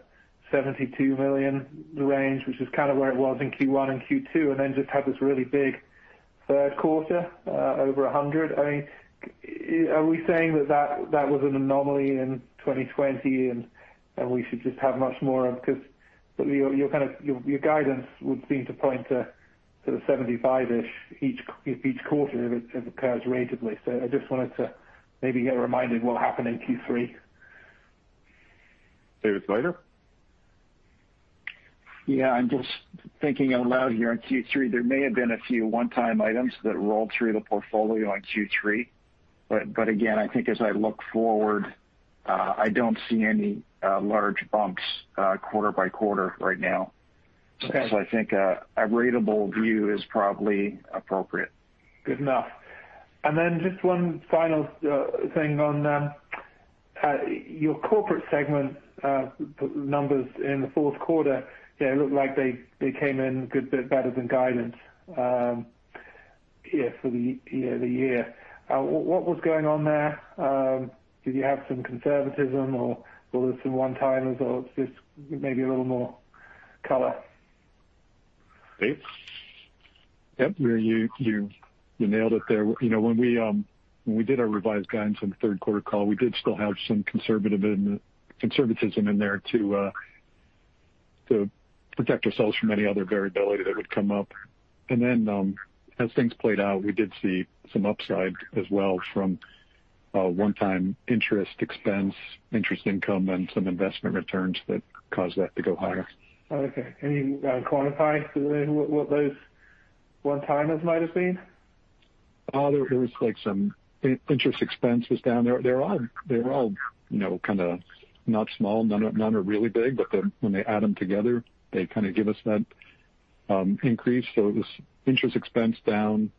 $72 million range, which is kind of where it was in Q1 and Q2, and then just had this really big third quarter, over $100 million. Are we saying that was an anomaly in 2020, and we should just have much more of because your guidance would seem to point to the $75 million-ish if each quarter occurs ratably. I just wanted to maybe get reminded what happened in Q3. David Slater? Yeah, I'm just thinking out loud here. In Q3, there may have been a few one-time items that rolled through the portfolio in Q3. Again, I think as I look forward, I don't see any large bumps quarter by quarter right now. Okay. I think a ratable view is probably appropriate. Good enough. Then just one final thing on your corporate segment numbers in the fourth quarter, yeah, it looked like they came in a good bit better than guidance here for the year. What was going on there? Did you have some conservatism or were there some one-timers or just maybe a little more color? Dave? Yep. You nailed it there. When we did our revised guidance on the third quarter call, we did still have some conservatism in there to protect ourselves from any other variability that would come up. And then as things played out, we did see some upside as well from a one-time interest expense, interest income, and some investment returns that caused that to go higher. Okay. Can you quantify what those one-timers might've been? There was some interest expenses down. They were all kind of not small. None are really big, but when they add them together, they kind of give us that increase. It was interest expense down.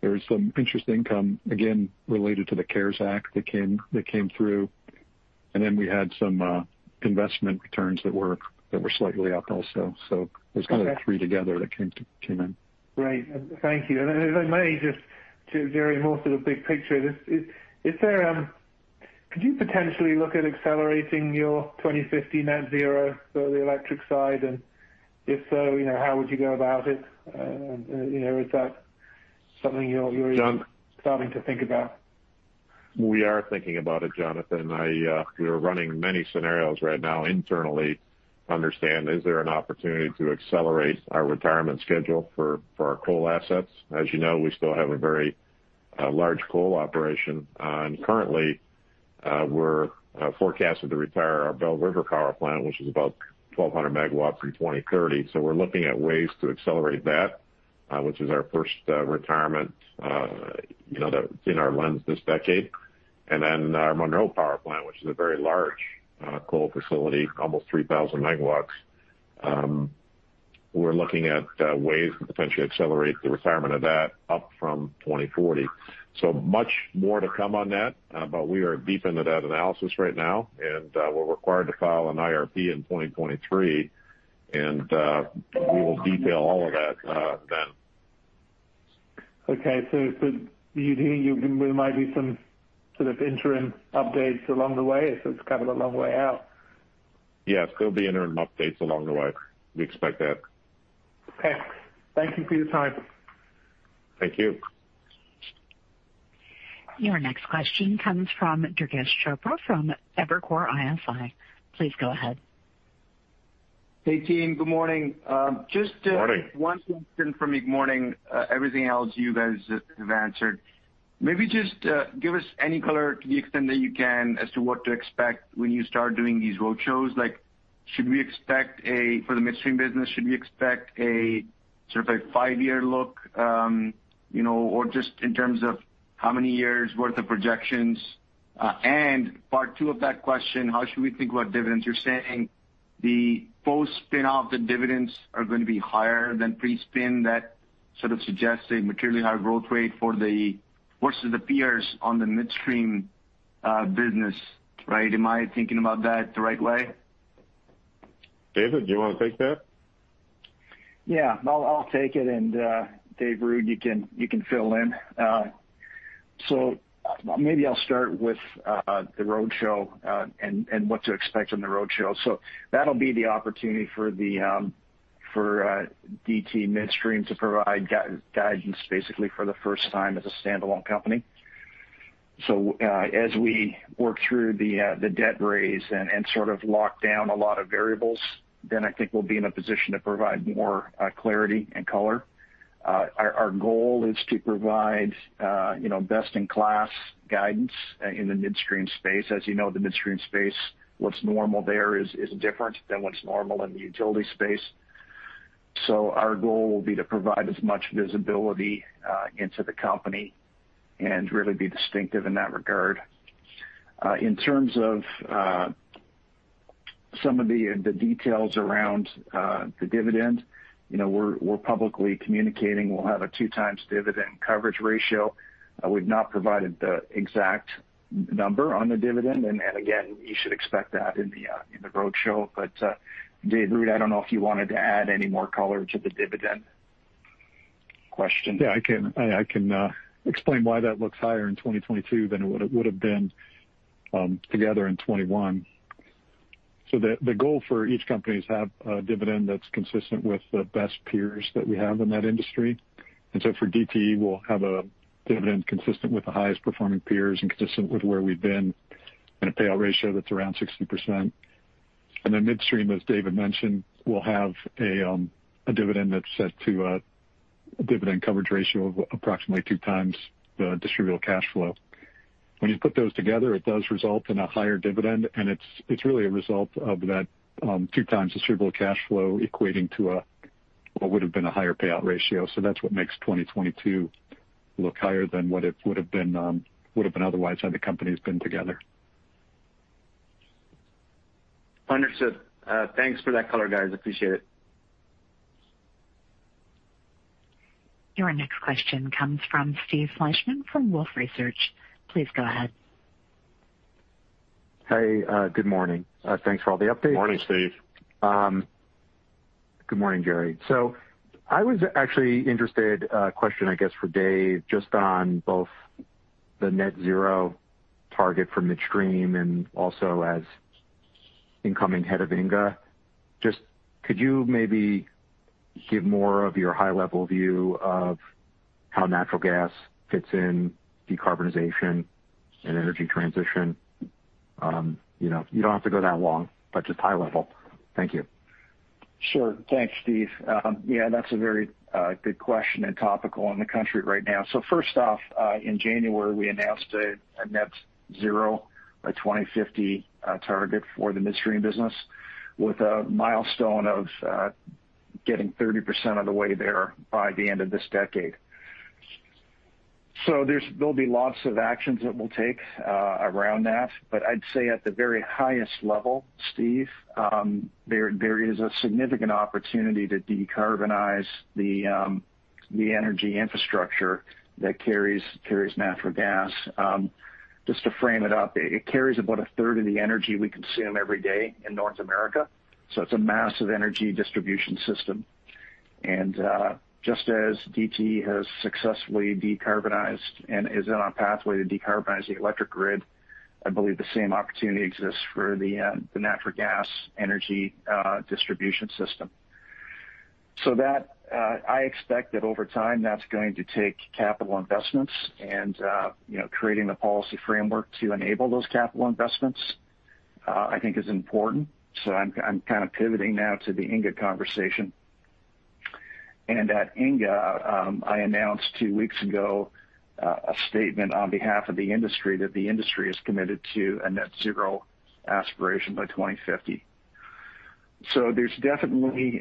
There was some interest income, again, related to the CARES Act that came through. We had some investment returns that were slightly up also- Okay. ...so t was kind of the three together that came in. Great. Thank you. If I may, just to very more sort of big picture this. Could you potentially look at accelerating your 2050 net zero for the electric side? If so, how would you go about it? Is that something- Jon. ...that you're starting to think about? We are thinking about it, Jonathan. We are running many scenarios right now internally to understand is there an opportunity to accelerate our retirement schedule for our coal assets? As you know, we still have a very large coal operation. Currently, we're forecasted to retire our Belle River Power Plant, which is about 1,200 MW, through 2030. We're looking at ways to accelerate that, which is our first retirement that's in our lens this decade. Our Monroe Power Plant, which is a very large coal facility, almost 3,000 MW. We're looking at ways to potentially accelerate the retirement of that up from 2040. Much more to come on that. We are deep into that analysis right now, and we're required to file an IRP in 2023, and we will detail all of that then. Okay. Do you think there might be some sort of interim updates along the way if it's kind of a long way out? Yeah, there'll be interim updates along the way. We expect that. Okay. Thank you for your time. Thank you. Your next question comes from Durgesh Chopra from Evercore ISI. Please go ahead. Hey, team. Good morning. Good morning. Just one question for me. Good morning. Everything else you guys have answered. Maybe just give us any color to the extent that you can as to what to expect when you start doing these roadshows. For the Midstream business, should we expect a five-year look, or just in terms of how many years' worth of projections? Part two of that question, how should we think about dividends? You're saying the post-spin off the dividends are going to be higher than pre-spin. That sort of suggests a materially higher growth rate versus the peers on the Midstream business, right? Am I thinking about that the right way? David, do you want to take that? Yeah, I'll take it. Dave Ruud, you can fill in. Maybe I'll start with the roadshow, and what to expect on the roadshow. That'll be the opportunity for DTE Midstream to provide guidance basically for the first time as a standalone company. As we work through the debt raise and sort of lock down a lot of variables, then I think we'll be in a position to provide more clarity and color. Our goal is to provide best-in-class guidance in the Midstream space. As you know, the Midstream space, what's normal there is different than what's normal in the utility space. Our goal will be to provide as much visibility into the company and really be distinctive in that regard. In terms of some of the details around the dividend, we're publicly communicating we'll have a two times dividend coverage ratio. We've not provided the exact number on the dividend, and again, you should expect that in the roadshow. Dave Ruud, I don't know if you wanted to add any more color to the dividend question. I can explain why that looks higher in 2022 than it would've been together in 2021. The goal for each company is to have a dividend that's consistent with the best peers that we have in that industry. For DTE, we'll have a dividend consistent with the highest-performing peers and consistent with where we've been and a payout ratio that's around 60%. Then Midstream, as David mentioned, we'll have a dividend that's set to a dividend coverage ratio of approximately 2x the distributable cash flow. When you put those together, it does result in a higher dividend, and it's really a result of that 2x distributable cash flow equating to what would've been a higher payout ratio. That's what makes 2022 look higher than what it would've been otherwise had the companies been together. Understood. Thanks for that color, guys. Appreciate it. Your next question comes from Steve Fleishman from Wolfe Research. Please go ahead. Hey. Good morning. Thanks for all the updates. Morning, Steve. Good morning, Jerry. I was actually interested, a question, I guess, for Dave, just on both the net zero target for Midstream and also as Incoming Head of INGAA. Just could you maybe give more of your high-level view of how natural gas fits in decarbonization and energy transition? You don't have to go that long, but just high level. Thank you. Sure. Thanks, Steve. Yeah, that's a very good question and topical in the country right now. First off, in January, we announced a net zero by 2050 target for the Midstream business with a milestone of getting 30% of the way there by the end of this decade. There'll be lots of actions that we'll take around that, but I'd say at the very highest level, Steve, there is a significant opportunity to decarbonize the energy infrastructure that carries natural gas. Just to frame it up, it carries about 1/3 of the energy we consume every day in North America, it's a massive energy distribution system. Just as DTE has successfully decarbonized and is on a pathway to decarbonize the electric grid, I believe the same opportunity exists for the natural gas energy distribution system. That, I expect that over time, that's going to take capital investments and creating the policy framework to enable those capital investments I think is important. I'm kind of pivoting now to the INGAA conversation. At INGAA, I announced two weeks ago a statement on behalf of the industry that the industry is committed to a net zero aspiration by 2050. There's definitely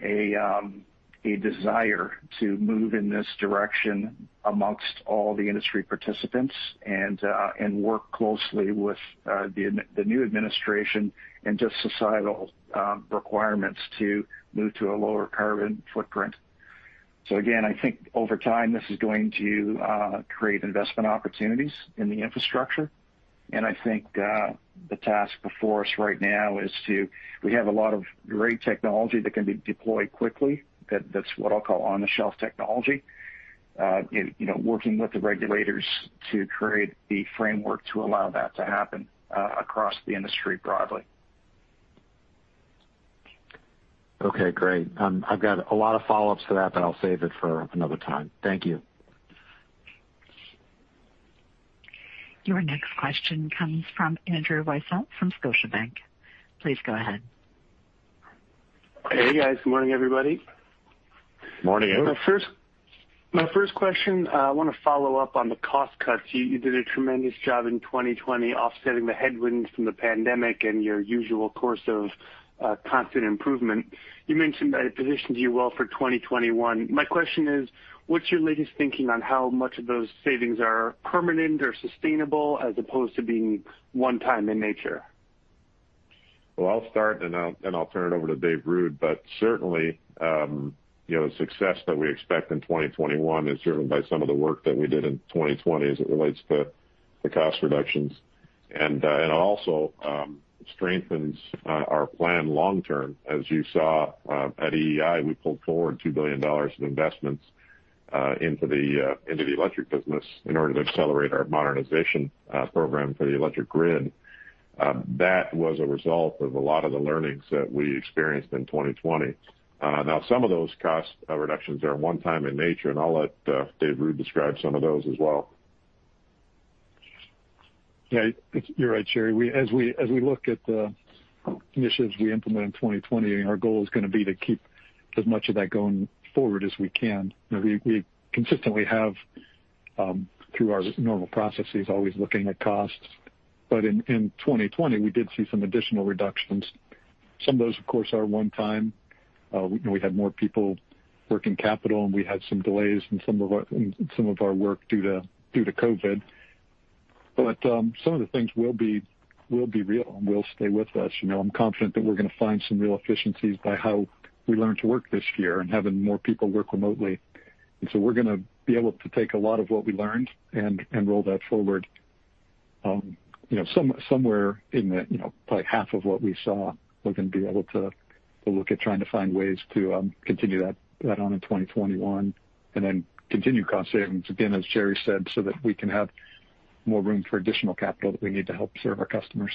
a desire to move in this direction amongst all the industry participants and work closely with the new administration and just societal requirements to move to a lower carbon footprint. Again, I think over time, this is going to create investment opportunities in the infrastructure, and I think the task before us right now is we have a lot of great technology that can be deployed quickly, that's what I'll call on-the-shelf technology. Working with the regulators to create the framework to allow that to happen across the industry broadly. Okay, great. I've got a lot of follow-ups to that, but I'll save it for another time. Thank you. Your next question comes from Andrew Weisel from Scotiabank. Please go ahead. Hey, guys. Good morning, everybody. Morning, Andrew. My first question, I want to follow up on the cost cuts. You did a tremendous job in 2020 offsetting the headwinds from the pandemic and your usual course of constant improvement. You mentioned that it positions you well for 2021. My question is, what's your latest thinking on how much of those savings are permanent or sustainable, as opposed to being one-time in nature? Well, I'll start, and I'll turn it over to Dave Ruud, but certainly, the success that we expect in 2021 is driven by some of the work that we did in 2020 as it relates to the cost reductions, and it also strengthens our plan long term. As you saw at EEI, we pulled forward $2 billion of investments into the Electric business in order to accelerate our modernization program for the electric grid. That was a result of a lot of the learnings that we experienced in 2020. Some of those cost reductions are one-time in nature, and I'll let Dave Ruud describe some of those as well. Yeah, you're right, Jerry. As we look at the initiatives we implement in 2020, our goal is going to be to keep as much of that going forward as we can. We consistently have, through our normal processes, always looking at costs. In 2020, we did see some additional reductions. Some of those, of course, are one time. We had more people work in capital, and we had some delays in some of our work due to COVID. Some of the things will be real and will stay with us. I'm confident that we're going to find some real efficiencies by how we learned to work this year and having more people work remotely. We're going to be able to take a lot of what we learned and roll that forward. Somewhere in probably half of what we saw, we're going to be able to look at trying to find ways to continue that on in 2021 and then continue cost savings, again, as Jerry said, so that we can have more room for additional capital that we need to help serve our customers.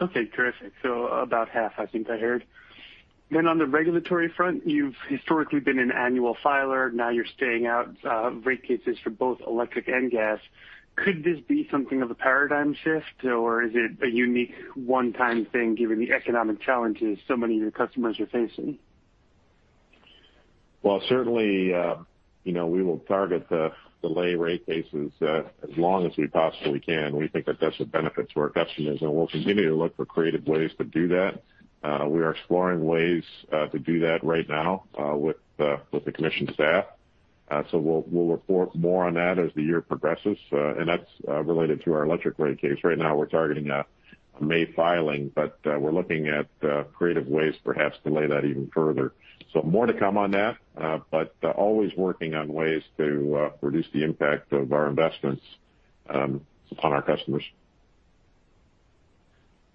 Okay, terrific. About half, I think I heard. On the regulatory front, you've historically been an annual filer. Now you're staying out rate cases for both electric and gas. Could this be something of a paradigm shift, or is it a unique one-time thing given the economic challenges so many of your customers are facing? Well, certainly, we will target the delay rate cases as long as we possibly can. We think that that's a benefit to our customers, and we'll continue to look for creative ways to do that. We are exploring ways to do that right now with the commission staff. We'll report more on that as the year progresses, and that's related to our electric rate case. Right now, we're targeting a May filing, but we're looking at creative ways perhaps to delay that even further. More to come on that, but always working on ways to reduce the impact of our investments upon our customers.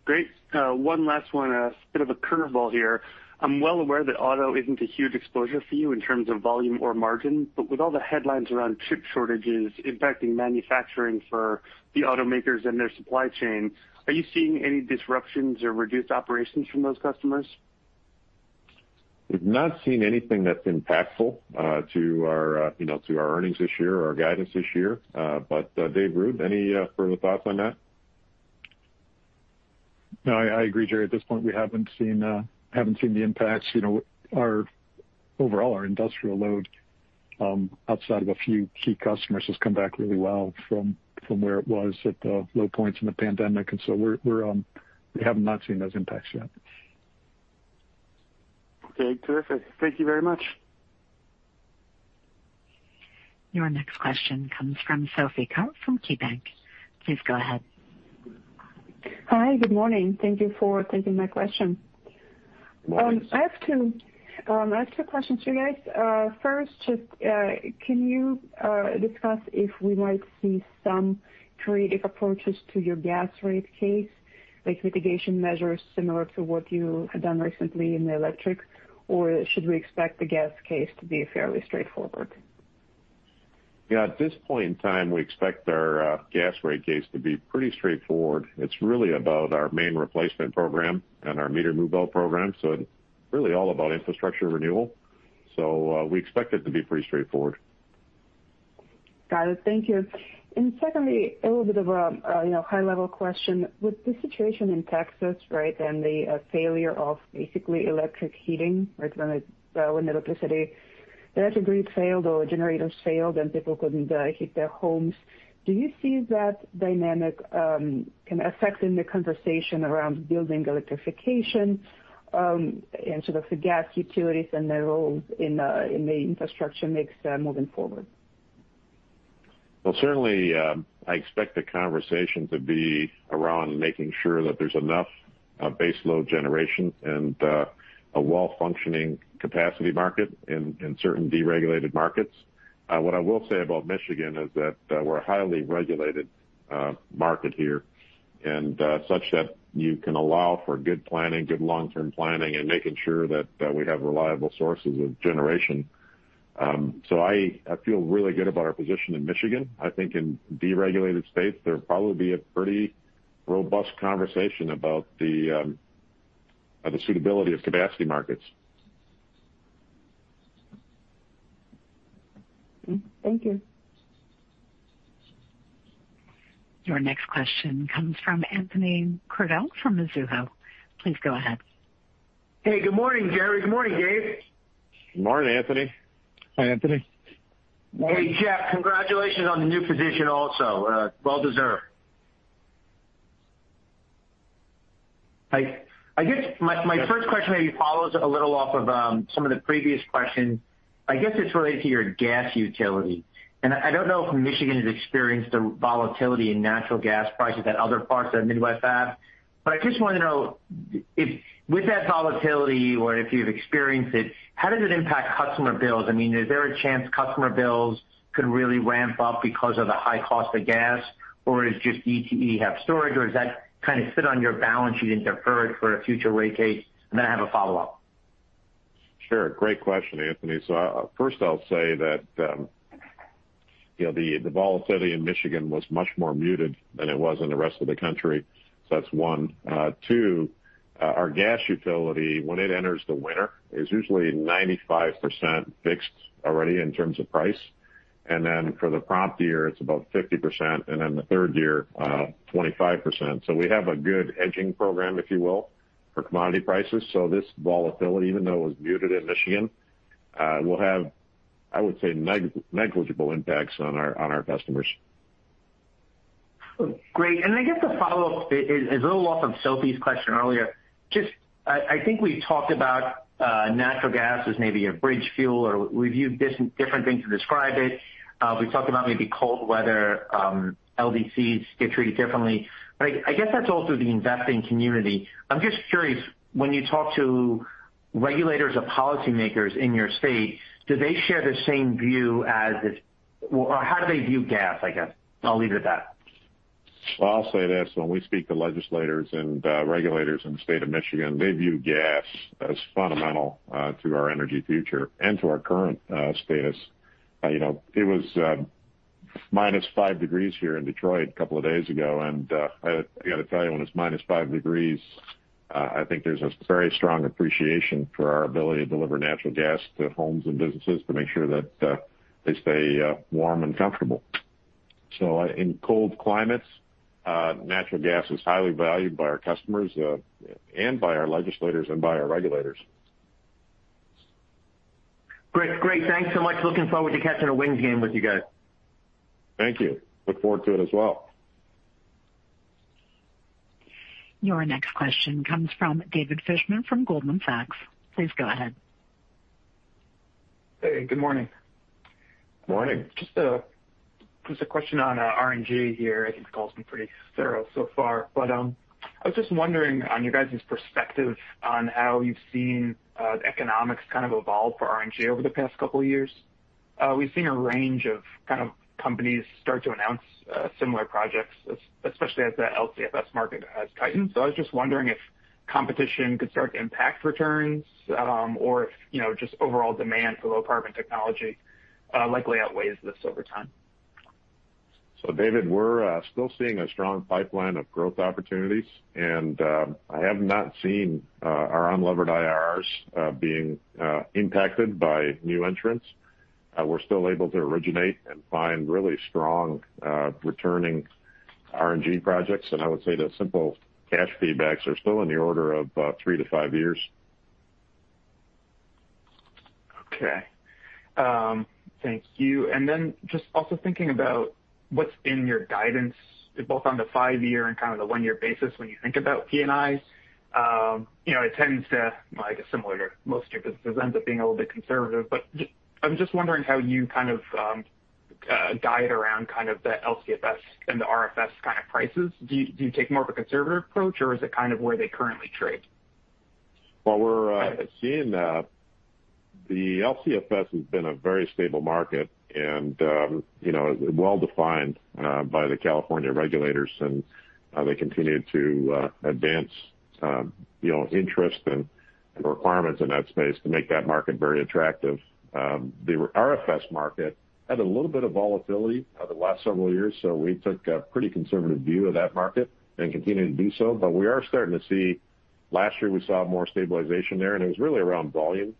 Great. One last one, a bit of a curveball here. I'm well aware that auto isn't a huge exposure for you in terms of volume or margin, but with all the headlines around chip shortages impacting manufacturing for the automakers and their supply chain, are you seeing any disruptions or reduced operations from those customers? We've not seen anything that's impactful to our earnings this year or our guidance this year. Dave Ruud, any further thoughts on that? No, I agree, Jerry. At this point, we haven't seen the impacts. Overall, our industrial load, outside of a few key customers, has come back really well from where it was at the low points in the pandemic. We have not seen those impacts yet. Okay, terrific. Thank you very much. Your next question comes from Sophie Karp from KeyBank. Please go ahead. Hi, good morning. Thank you for taking my question. Morning. I have two questions for you guys. First, can you discuss if we might see some creative approaches to your gas rate case, like mitigation measures similar to what you had done recently in the electric, or should we expect the gas case to be fairly straightforward? Yeah. At this point in time, we expect our gas rate case to be pretty straightforward. It's really about our Main Replacement program and our Meter Move-Out program, so really all about infrastructure renewal. We expect it to be pretty straightforward. Got it. Thank you. Secondly, a little bit of a high-level question. With the situation in Texas, and the failure of basically electric heating when the electric grid failed or generators failed, and people couldn't heat their homes. Do you see that dynamic kind of affecting the conversation around building electrification and sort of the gas utilities and their roles in the infrastructure mix moving forward? Well, certainly, I expect the conversation to be around making sure that there's enough baseload generation and a well-functioning capacity market in certain deregulated markets. What I will say about Michigan is that we're a highly regulated market here, and such that you can allow for good planning, good long-term planning, and making sure that we have reliable sources of generation. I feel really good about our position in Michigan. I think in deregulated states, there will probably be a pretty robust conversation about the suitability of capacity markets. Thank you. Your next question comes from Anthony Crowdell from Mizuho. Please go ahead. Hey, good morning, Jerry. Good morning, Dave. Good morning, Anthony. Hi, Anthony. Hey, Jeff, congratulations on the new position also. Well-deserved. I guess my first question maybe follows a little off of some of the previous questions. I guess it's related to your gas utility. I don't know if Michigan has experienced the volatility in natural gas prices that other parts of the Midwest have, but I just want to know if with that volatility or if you've experienced it, how does it impact customer bills? I mean, is there a chance customer bills could really ramp up because of the high cost of gas, or is just DTE have storage, or does that kind of sit on your balance sheet and defer it for a future rate case? I have a follow-up. Sure. Great question, Anthony. First I'll say that the volatility in Michigan was much more muted than it was in the rest of the country. That's one. Two, our gas utility, when it enters the winter, is usually 95% fixed already in terms of price. For the prompt year, it's about 50%, and then the third year, 25%. We have a good hedging program, if you will, for commodity prices. This volatility, even though it was muted in Michigan, will have, I would say, negligible impacts on our customers. Great. I guess the follow-up is a little off of Sophie's question earlier. Just I think we talked about natural gas as maybe a bridge fuel or we've used different things to describe it. We talked about maybe cold weather, LDCs get treated differently. I guess that's also the investing community. I'm just curious, when you talk to regulators or policymakers in your state, do they share the same view or how do they view gas, I guess? I'll leave it at that. Well, I'll say this. When we speak to legislators and regulators in the State of Michigan, they view gas as fundamental to our energy future and to our current status. It was -5 degrees here in Detroit a couple of days ago, and I got to tell you, when it's -5 degrees, I think there's a very strong appreciation for our ability to deliver natural gas to homes and businesses to make sure that they stay warm and comfortable. So in cold climates, natural gas is highly valued by our customers and by our legislators and by our regulators. Great. Thanks so much. Looking forward to catching a Wings game with you guys. Thank you. Look forward to it as well. Your next question comes from David Fishman from Goldman Sachs. Please go ahead. Hey, good morning. Morning. Just a question on RNG here. I think the call's been pretty thorough so far, but I was just wondering on your guys' perspective on how you've seen economics kind of evolve for RNG over the past couple of years. We've seen a range of kind of companies start to announce similar projects, especially as the LCFS market has tightened. I was just wondering if competition could start to impact returns, or if just overall demand for low-carbon technology likely outweighs this over time. David, we're still seeing a strong pipeline of growth opportunities. I have not seen our unlevered IRRs being impacted by new entrants. We're still able to originate and find really strong returning RNG projects. I would say the simple cash feedbacks are still in the order of three to five years. Okay. Thank you. Just also thinking about what's in your guidance, both on the five-year and kind of the one-year basis when you think about P&I. It tends to, like similar to most businesses, ends up being a little bit conservative, but I'm just wondering how you kind of guide around kind of the LCFS and the RFS kind of prices. Do you take more of a conservative approach, or is it kind of where they currently trade? Well, we're seeing the LCFS has been a very stable market and well-defined by the California regulators, and they continue to advance interest and requirements in that space to make that market very attractive. The RFS market had a little bit of volatility over the last several years, so we took a pretty conservative view of that market and continue to do so. We are starting to see, last year, we saw more stabilization there, and it was really around volume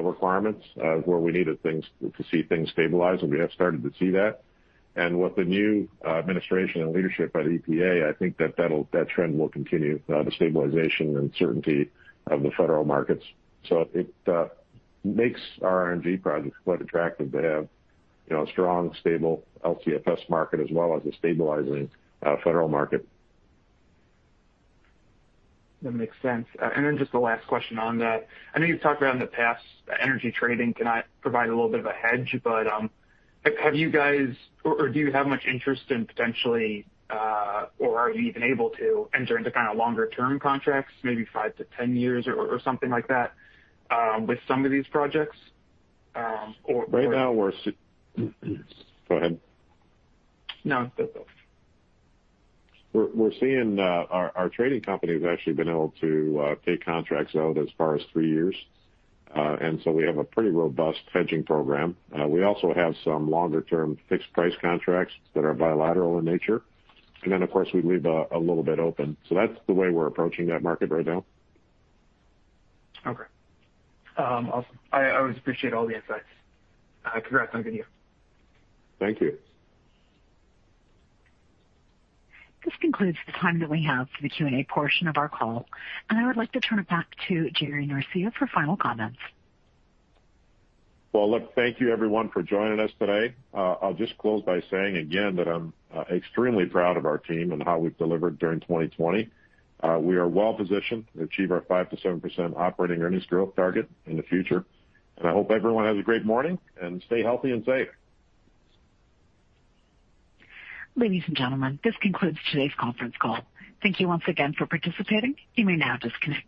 requirements where we needed to see things stabilize, and we have started to see that. With the new administration and leadership at EPA, I think that trend will continue, the stabilization and certainty of the federal markets. It makes our RNG projects quite attractive to have a strong, stable LCFS market as well as a stabilizing federal market. That makes sense. Just the last question on that. I know you've talked about in the past, energy trading can provide a little bit of a hedge, have you guys or do you have much interest in potentially or are you even able to enter into kind of longer-term contracts, maybe 5-10 years or something like that with some of these projects? Right now. Go ahead. No, go ahead. We're seeing our trading company has actually been able to take contracts out as far as three years. We have a pretty robust hedging program. We also have some longer-term fixed-price contracts that are bilateral in nature. Of course, we leave a little bit open. That's the way we're approaching that market right now. Okay. Awesome. I always appreciate all the insights. Congrats on the deal. Thank you. This concludes the time that we have for the Q&A portion of our call. I would like to turn it back to Jerry Norcia for final comments. Well, look, thank you everyone for joining us today. I'll just close by saying again that I'm extremely proud of our team and how we've delivered during 2020. We are well-positioned to achieve our 5%-7% operating earnings growth target in the future. I hope everyone has a great morning, and stay healthy and safe. Ladies and gentlemen, this concludes today's conference call. Thank you once again for participating. You may now disconnect.